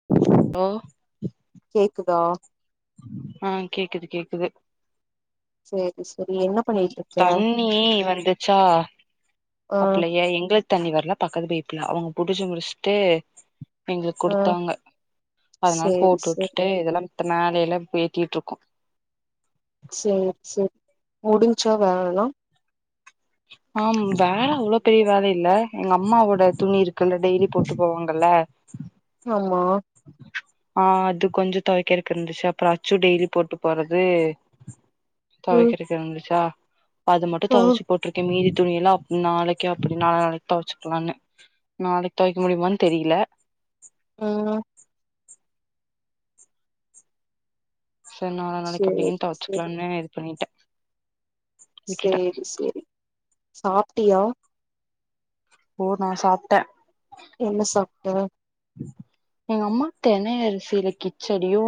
[inaudible] கேக்குதா ஆ கேக்குது கேக்குது சேரி சேரி என்ன ம் பண்ணிட்ருக்க தண்ணி வந்துச்சா ஆ அப்பலயே எங்களுக் தண்ணி வரல பக்கத்து பயப்புல அவங் புடிச்சு முடிச்சுட்டு எங்களுக்க ஆ குடுத்தாங்க அதனால சேரி போட்டு சேரி விட்டுட்டு இதெல்லா மேலல்ல ஏத்திட்டு இருக்கோ சேரி சேரி முடிஞ்ச்சா வேலலாம் ஆஹம் வேலஅவ்ளோ பெரிய ஆம் வேல அவ்ளோ பெரிய வேல இல்ல எங்க அம்மாவோட துணி இருக்குல்ல டெய்லி போட்டு போவாங்கல்ல ஆமா ஆஹ் அது கொஞ்சோ தொவைக்கறதுக்கு இருந்துச்சு அப்பறோ அச்சு டெய்லி போட்டு போறது ம் தொவைக்கிறதுக்கு இருந்துச்சா அது மட்டு ஆ தொவச்சு போட்ருக்கே மீதி துணி எல்லா ம் நாளைக்கு அப்டி நாலன்னைக்கு தொவச்சுக்கலான்னு நாளைக்கி தொவைக்க முடியுமானு தெரியில ம் செரி நாள நாளைக்கு அப்டின்னு சேரி சேரி தொவச்சுக்கலானு இது பண்ணிட்டே விட்டுட்டே சேரி சேரி சாப்டியா ஓ நா சாப்ட்டே என்ன சாப்ட்டே எங்கம்மா தெனைஅரிசில கிச்சடியு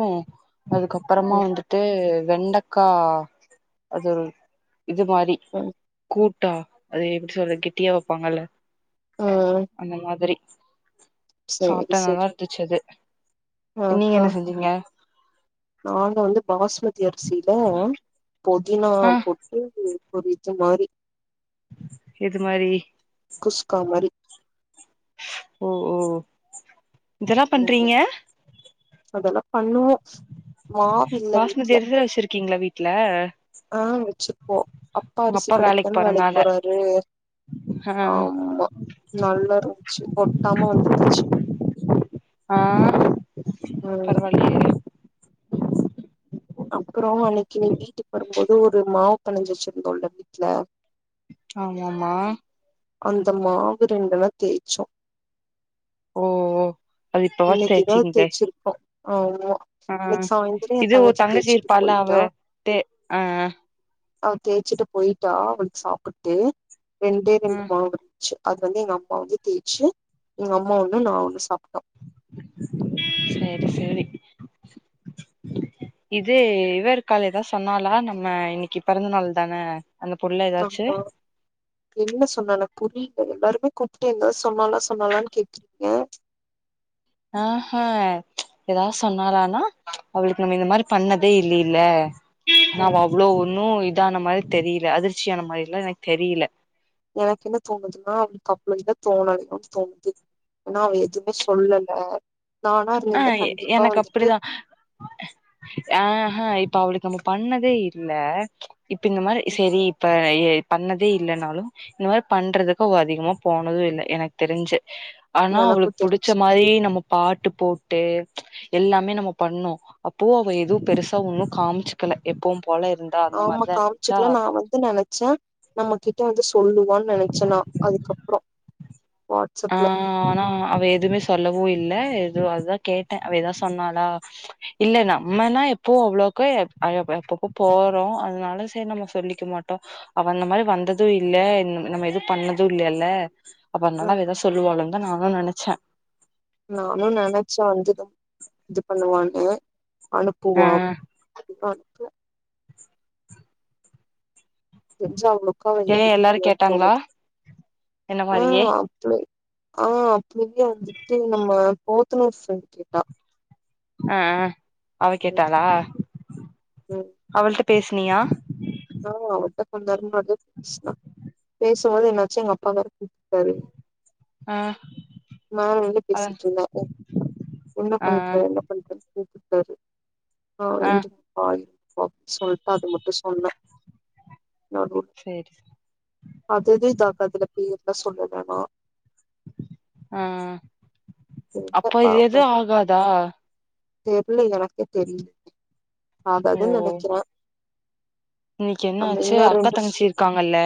அதுக்கப்பறமா ம் வந்துட்டு வெண்டக்கா அது இது மாறி ம் கூட்டா அது எப்டி சொல்ல கெட்டியா வெப்பாங்கல்ல ம் அந்த மாதிரி சேரி சாப்டா நல்லா சேரி இருந்துச்சு அது ஆ நீங்க ஆ என்ன செஞ்சீங்க நாங்க வந்து பாஸ்மதி அரிசில பொதினா ஆ போட் டு ம் பொரிச்ச மாரி இது மாரி குஸ்கா மாரி ஓ ஓ இதெல்லா ம் பண்றீங்க ம் அதெல்லா பண்ணுவோ மாவு இல்ல வீட்ல பாஸ்மதி அரிசிதா வெச்சிருக்கீங்களா வீட்ல ஆ வெச்சிருப்போ அப்பா உங்க அரிசி வேலைக்கு கடைக்கிதான வேலைக்கி போறனால போறாரு ஆ ஆமா நல்லா இருந்துச்சு ஒட்டாம வந்திருந்துச்சு ஆ ம் பரவால்ல அப்பறோ அன்னைக்கி நீ வீட்டுக்கு வருபோது ஒரு மாவு பெனஞ்சி வச்சிருந்தோல வீட்ல ஆமமா அந்த மாவு ரெண்டுனா தேய்ச்சோ ஓ அது இப்பவா இன்னக்கிதா தேச்சிங்தே தெச்சிருக்கோ ஆமா ஆ இன்னிக்கி சாய்ந்திரோ எ இது ஒ தங்கச்சி தேச்சுட்டு இருப்பால அவ போய்ட்டா தே ஆ அவ தேச்சுட்டு போய்டா அவ்ளுக்கு சாப்புட்டு ரெண்டே ஆ ரெண்டு மாவிருஞ்ச்சு அது வந்து எங்க அம்மா வந்து தேச்சு எங்க அம்மா ஒண்ணு நா ஒண்ணு சாப்டோ செரி செரி இது இவ இருக்கால்ல எதா சொன்னாலா நம்ம இன்னக்கி பிறந்தநாள் தான அந்த புள்ளத் ஆமா என்ன சொன்னால புரில எல்லாருக்கு கூப்டே இந்த சொன்னாலா சொன்னாலான்னு கேக்கிறீங்க ஆ ஹ ஏதாது சொன்னாலானா அவளுக்கு நம்ம இந்த மாரி பண்ணதே இல்லில ஆனா ம். அவ அவ்ளோ ஒன்னு இதான மாரி தெரில அதிர்ச்சியான மாரில்லா எனக்கு தெரில எனக்கு என்ன தோணுதுன்னா அவளுக்கு அவ்ளோ இதா தோணலையோ தோணுது ஆனா அவ எதுமே சொல்லல நானா இருந்திருந்தா கண்டிப்பா வந்துட்டு அ ஹ இப்ப அவளுக்கு நம்ம பண்ணதே இல்ல இப்ப இந்த மாரி சேரி இப்ப ஏ பண்ணதே இல்லனாலு இந்த மாரி பண்றதுக்கு அவோ அதிகமா போனதே இல்ல எனக்கு தெருஞ்சு ஆனா எனக்கு அவுளுக்கு புடுச்ச தெரிஞ்சு மாறி நம்ம பாட்டு போட்டு எல்லாமே நம்ம பண்ணோ அப்போ அவ எதுவு பெருசா ஒண்ணு காம்ச்சுக்கல எப்பவுபோல இருந் ஆமா காம்ச்சிக்லா நா வந்து நெனச்ச நமக்கி என்ட வந்து சொல்லுவானு நெனச்சனா அதுக்கப்ரோ ஆ ஆனா அவ எதுவுமே சொல்லவு இல்ல எதோ அதா கேட்ட அவ ஏதா சொன்னாளா இல்ல நம்மனா எப்போ அவ்ளோக்கா [unintelligible] எப்பப்பு போறோ அதனால சரி நம்ம சொல்லி மாட்டோ அவ அந்த மாறி வந்தது இல்ல நம்ம எது பண்ணது இல்லல்ல அப்பறம்னாலா எதோ சொல்லுவாலுந்த நானு நெனச்ச நானு நெனச்ச வந்து இது இது பண்ணுவானு ஆ அனுப்புவா இப்ப அனுப்பு தெருஞ்ச அவுங்ள உக்காவிலயனு ஏ எல்லாரு எடுத்துக்கலனு கேட்டாங்களா தோணுது என்ன மாரியே ஆ ஆ அப்டியே வந்துட்டு நம்ம போத்தணு சைடு கேட்டா அ அவ ம் கேட்டாளா ம். அவள்ட்ட பேசினியா ஆ [unintelligible] பேசும்போது என்னாச்சு எங்க அப்பா வேர கூட்டாரு ஆ நான் வந்து அவ பேசிட்டு இருந்த என்ன ஆ பண்றே [unintelligible] ஆ இ ஆ பாய் சொல்லிட்டு அது மட்டும் சொன்னேன் [unintelligible] சரி அது எதுஇதாகாதுல பேர்லா சொல்ல வேணாம் ஆ தெர்ல அப்போ எது பாப்போ ஆகாதா தெர்ல எனக்கு தெரியு ஓ ஆகாதுனு நினைக்கிறே இன்னைக்கு என்ன ஆச்சு அக்கா ஃப் தங்கிச்சி இருக்காங்கல்ல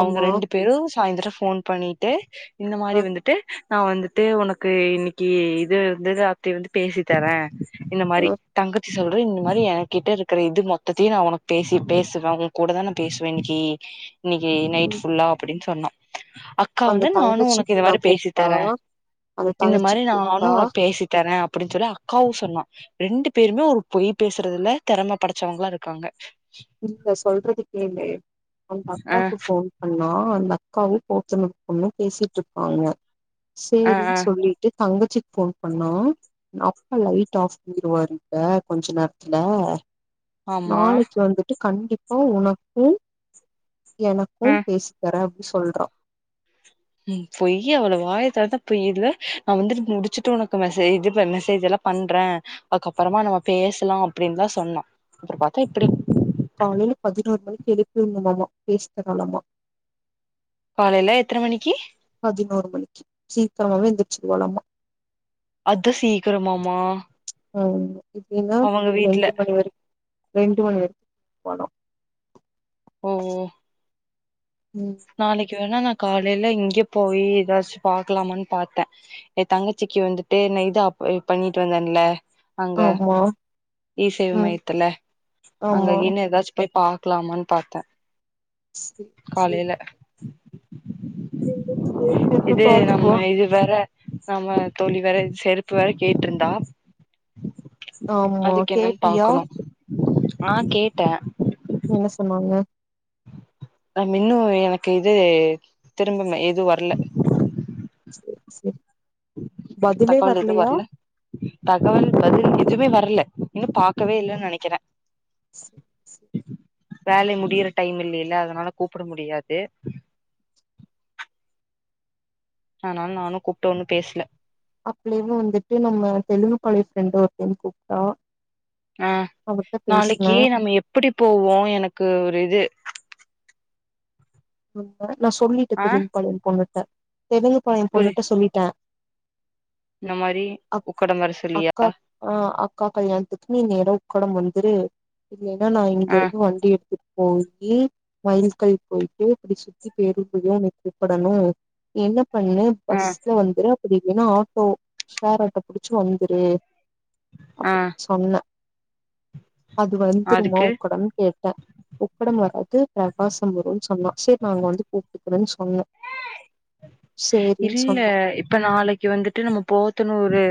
அவங்க ரெண்டு பேரு சாய்ந்தரோ ஃபோன் பண்ணிட்டு இந்த மாதிரி அ வந்துட்டு நா வந்துட்டு உனக்கு இன்னைக்கு இது வந்து அப வந்து பேசி தரே இந்த அ மாதிரி தங்கச்சி சொல்ற இந்த மாதிரி என் கிட்ட இருக்கிற இது மொத்தையு நா உனக்கு பேசி பேசுவே உங்க கூட தா நா பேசுவே இன்னைக்கு இன்னைக்கு நைட் ம் ஃபுல்லா அப்படின்னு சொன்ன அக் அக்கா அந்த வந்து நானு உனக்கு தங்கச்சிக்கு இது நா மாறி பேசி கூப்ட்டா தரே அந்த இந்த தங்கச்சி மாதிரி நானு கூப்ட்டா உனக்கு பேசின் தரே அப்டின்னு சொல்லி அக்காவு சொன்னா ரெண்டு பேருமே ஒரு பொய் பேசறதுல திறம படச்சவங்களா இருக்காங்க இப்ப சொல்றத கேளு அந்த ஆ அக்காக்கு ஃபோன் பண்ணா அந்த அக்காவு போத்தனுபொண்ணு பேசிட்டு இருப்பாங்க ஆ ஆ சரின்னு சொல்லிட்டு தங்கச்சிக்கு ஃபோ பண்ணா அப்பா லைட் ஆஃப் பண்ணிருவாங்க கொஞ்ச நேரத்துல ஆமா நாளைக்கு வந்துட்டு கண்டிப்பா உனக்கும் எனக்கும் ஆ பேச தரே அப்படி சொல்றா ம் பொய் அவ்ள வாயா தெரத்தாலே பொய் ல இதுல நா வந்துட்டு முடிச்சுட்டு உனக்கு மெசேஜ் இது மெசேஜ் எல்லா பண்றே அதுக்கப்புறமா நம்ம பேசலா அப்படின்னுதா சொன்ன அப்றோ பார்த்தா இப்டி காலையில பதினோரு மணிக்கு எழுப்பிருணுமாமா பேசி தராலாமா காலைல எத்தன மணிக்கி பதினோரு மணிக்கி சீக்கிரமாவே எந்தச்சுர்வாலாமா அது சீக்கிரமாமா ம் இப்படின்னா அவங்க வீட்ல ரெண்டு மணி வரை ரெண்டு மணி வரைக்கு போனோ ஓ ஓ ம் நாளைக்கு வேணா நா காலையில இங்கே போய் எதாச்சு பாக்கலாமன் பாத்தே எ தங்கச்சிக்கு வந்துட்டு ந இதாப் பண்ணிட்டு வந்தன்ல அங்க ஆமா இசேவை ம் மையத்துல அங்க ஆமா இன்ன எதாச் போய் பாக்கலாமான் பாத்தே சே சே காலையில [inaudible] போய் இது பாத்துட்டு நம்ம வா இது வேற சம்ம தோழி வேற செருப்பு வேர கேட்டு இருந்தா ஆமா அதுக்கு என்னன் கேட்டியா பாக்கணு நா கேட்டே என்ன சொன்னாங்க ந இன்னு எனக்கு இது திரும்பம எதுவு வரல சேர் சேர் தகவல் எது வரல தகவல் பதில் எதுவுமே வரல இன்னு பாரக்கவே இல்லன் நினைக்கிறே சேரி சேரி வேலை முடியற டைம் இல்லில்ல அதனால கூப்பிட முடியாது ஆனாலு நானு கூப்ட்டு ஒன்னு பேசல அப்லேவு வந்துட்டு நம்ம தெலுங்கு காலேஜ் ஃரெண்ட் ஒரு டைம் கூப்ட்டா ஆ அவட்ட நாளைக்கி பேசுன நம்ம எப்படி போவோ எனக்கு ஒரு இது நா சொல்லிட்ட ஆ தெலுங்கு பாளையம் பொண்ணுட்ட தெலுங்கு பாளையம் புரி பொண்ணுட்ட சொல்லிட்டே இந்த மாரி உக்கடம் வர சொல்லியா அக்கா ஆ அக்கா பைய வந்துட்டு நீ நேரம் உக்கடம் வந்துரு இல்லைன்னா நா இங்க ஆ இருந்து வண்டி எடுத்துட்டு போயி மயல்க்கல் போயிட்டு அப்படி சுத்தி பேரு போகும் உக்கடனு என்ன பண்ணு ஆ பஸ்ல வந்து அப்படி இல்லன்னா ஆட்டோ ஷேர் ஆட்டோ புடிச்சு வந்துரு ஆ அப்படின் சொன்னே அது வந்துருமா அதுக்கு உக்கடம் கேட்டே உக்கடம் வராது பிரகாசம் வரும்ன்னு சொன்னா சேர் நாங்க வந்து கூப்டுகரன் சொன்னே சேரின்னு இல்ல சொன்னா இப்ப நாளைக் கி வந்துட்டு நம்ம போத்தனுறு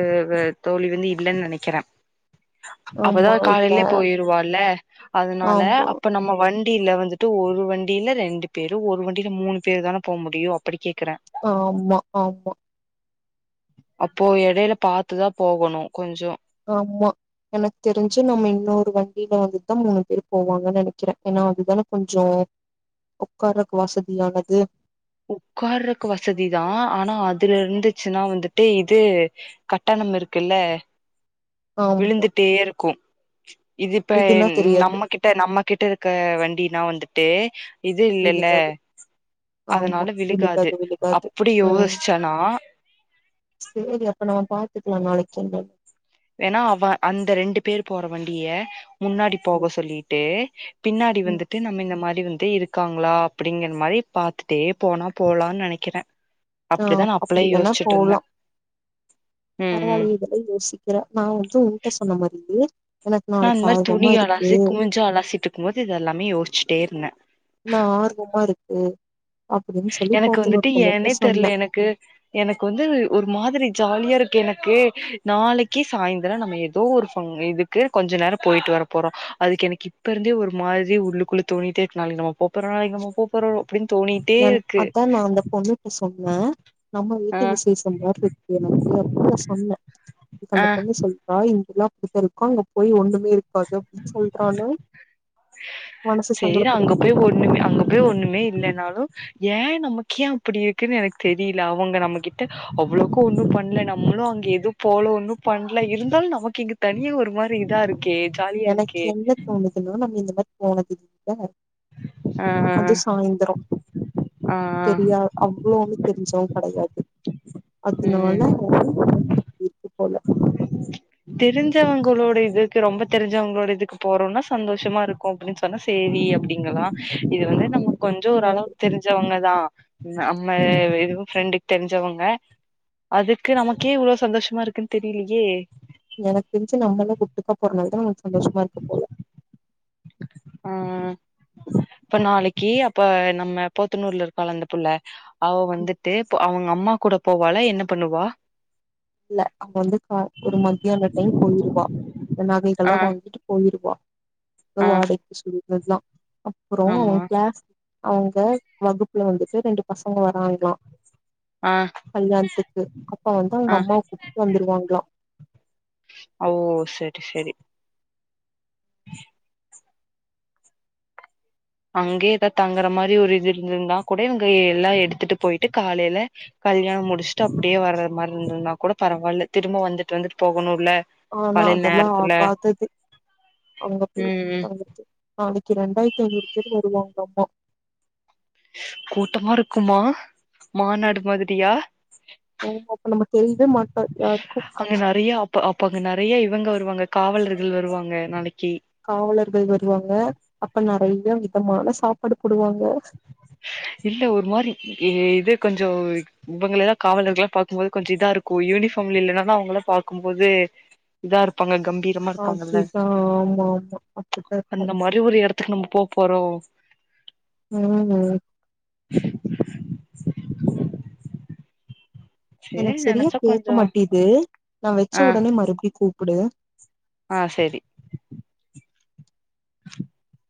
தோழி வந்து இல்லன் நினைக்கிறே அவதா ஆமா இல்ல காலையிலே போயிருவால அதனால ஆமா அப்ப நம்ம வண் டில வந்துட்டு ஒரு வண்டியில ரெண்டு பேரு ஒரு வண்டியில மூணு பேரு தான போக முடியு அப்படி கேக்கறே ஆம்மா ஆம்மா அப்போ எடையில பாத்துதா போகணு கொஞ்சோ ஆமா எனக்கு தெரிஞ்சு நம்ம இன்னொரு வண்டியில வந்துதா மூணு பேர் போவாங்கன் நினைக்கிறே ஏன்னா அதுதான கொஞ்சோ உக்காரக் வசதியானது உக்காரக்கு வசதிதா ஆனா அதுல இருந்துச்சுன்னா வந்துட்டு இது கட்டணம் இருக்குல்ல ஆமா விழுந்துட்டே இருக்கு இது இப்ப இதுன்னா தெரியாது நம்ம கிட் நம்ம கிட்ட இருக்க வண்டினா வந்துட்டு இது இல்லல்ல விழுகாது அதனால ஆமா விழுகாது வழுகாது அப்டி ம் யோசிச்சனா சேரி அப்ப நா பாத்துக்கலா நாளைக் சாங்கா ஏன்னா அவ அந்த ரெண்டு பேர் போற வண்டிய முன்னாடி போக சொல்லிட்டு பின்னாடி ம் வந்துட்டு நம்ம இந்த மாரி வந்து இருக் காங்களா அப்படிங்கிற மாரி பாத்துட்டே போனா போலான் நினைக்கிறே ஆ அப்படிவேணா போலா ம் ம் பரவாலியே யோசிக்கிறே நா வந்து உன்ட்ட சொன்ன மாரியே எனக்கு நா இந்த நாளைக்கு மாதிரி துணி ஆர்வமா இருக்கு அலசி குமிஞ்சு அலாசிட்டு இருக்கும் போது இதெல்லாமே யோசிச்சுட்டே இருந்தே நா ஆர்வமா இருக்கு அப்படின்னு சொல்லி எனக்கு வந்துட்டு போத்தனூர் பொண்ணுட்ட ஏனே சொன்னே தெரியல எனக்கு எனக்கு வந்து ஒரு மாதிரி ஜாலியா இருக்கு எனக்கு நாளைக்கு சாய்ந்திரம் நம்ம ஏதோ ஒரு ஃபங் இது க்கு கொஞ்ச நேரோ போயிட்டு வர போறோ அதுக்கு எனக்கு இப்ப இருந்தே ஒரு மாதிரி உள்ளுக்குள்ளே தோணிட்டே இருக்கு நாளைக்கு நம்ப போ அப்பறோ நாளைக்கு நம்ம போ போறோ அப்டின்னு தோனி என் அதா நா அந்த பொண்ணுட்ட சொன்னே நம்ம ஆ வீட்டு விசேஷ மாரி இருக்கு எனக்கு அப்படின்னு நா சொன்னே அதுக்கு ஆ அந்த பொண்னு சொல் வா இங்கெல்லா அப்டித்தா இருக்கு அங்க போய் ஒண்ணமே இருக்காது அப்படின்னு சொல்றாங்க சேரி அங்க போய் மாரி ஒண்ணுமே அங்க போய் ஒண்ணுமே இல்லனாலு ஏன் நமக்கே அப்படி இருக்குன்னு எனக்கு தெரியல அவங்க நம்மகிட்ட அவ்வளவுக்கு ஒன்னு பண்ணல நம்மளு அங்க எதுவு போல ஒன்னு பண்ணல இருந்தாலு நமக்கு இங்க தனியா ஒரு மாரி இதா இருக்கே ஜாலியா எனக்கு இருக்கே என்ன தோணுதுன்னா நம்ம இந்த மாரி போனதில்ல ஆ ஆ அது சாய்ந்திரோ ஆ தெரியா அவ்வளோன்னு தெரிஞ்சவங்ககிடையாது அதனால ம் என்னவோ உங்களுக்கு அப்டி இருக்கு போல தெரிஞ்சவங்களோட இதுக்கு ரொம்ப தெரிஞ்சவங்களோட இதுக்கு போறோம்னா சந்தோஷமா இருக் ஹோம்லி சொன்னா சேரி அப்படிங்கலா இது வந்து நம்ம கொஞ்சம் ஓரளவு அஹ் தெரிஞ்சவங்கதா நம்ம இதுவு ஃப்ரெண்டுக்கு தெரிஞ்சவங்க அதுக்கு நமக்கே இவ்வளவு சந்தோஷமா இருக்குன்னு தெரிலயே எனக்கு தெரிஞ்சு நம்மளா ஒட்டுக்கா போறனால தா உங்களுக்கு சந்தோஷமா இருக்கு போல ஆஹ் இப்ப நாளைக்கு அப்ப நம்ம பொத்தனூர்ல இருப்பால்ல அந்த புள்ள அவ வந்துட்டு அவங்க அம்மா கூட போவாலா என்ன பண்ணுவா இல்ல அப்போ வந்து கா ஒரு மத்தியான டைம் போயிருவா இந்த நகைகல்லா ஆ வாங்கிட்டு போயிருவா ஆ வாடகைக்கு சொல்றதுதா அப்புறோ ஆமா கிளாஸ் அவங்க வகுப்புல வந்துட்டு ரெண்டு பசங்க வராங்கலா ஆ கல்யாணத்துக்கு அப்போ வந்து அவங்க ஆ அம்மாவ கூப்ட்டுட்டு வந்துருவாங்களா ஓ சரி சரி ம் அங்கே எதா தங்குற மாரி ஒரு இது இருந்திருந்தா கூட இவங்க எல்லா எடுத்துட்டு போயிட்டு காலைல கல்யாணம் முடிச்சுட்டு அப்டியே வர்ற மாரி இருந்ததுன்னா கூட பரவாயில்ல திரும்ப வந்துட்டு வந்துட்டு போகணுல ஆனா அதெல்லா ஆகாதது அங்க போய் ம் எப்டி ம் தங்கரது நாளைக்கு இரண்டாயிரத்தி ஐநூறு பேர் வருவாங்கலாமா கூட்டமா இருக்குமா மாநாடு மாதிரியா ஓ அப்ப நம்ம தெரியவே மாட்டோ யாருக்கு ப்ப அப்பங்க நிறைய இவங்க வருவாங்க காவலர்கள் வருவாங்க நாளைக்கு காவலர்கள் வருவாங்க அப்ப நிறைய விதமான சாப்பாடு போடுவாங்க இல்ல ஒரு மாரி இது கொஞ்சோ இவங்களளா காவலர்களா பாக்கும் போது கொஞ்சோ இதா இருக்கு யூனிஃபார்ம்ல இல்லலன்னா தா அவங்கள்ளா பாக்கும்போது இதா இருப்பாங்க கம்பீர் அப்டிதா ஆமா ஆமா அப்டிதா இருக்கு இவரு எடத்துக்கு நம்ம போ போறோ உம் உம் சேரி எனக்கு சரியா நெனச்சா கேட்க கொஞ்சோ மாட்டேது நான் வச்ச ஆ உடனே மறுபடி கூப்பிடு ஆ செரி [inaudible]